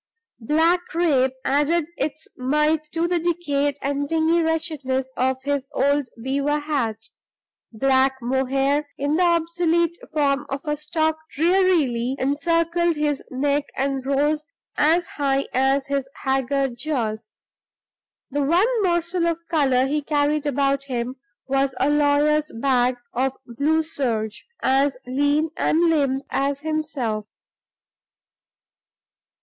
Black crape added its mite to the decayed and dingy wretchedness of his old beaver hat; black mohair in the obsolete form of a stock drearily encircled his neck and rose as high as his haggard jaws. The one morsel of color he carried about him was a lawyer's bag of blue serge, as lean and limp as himself.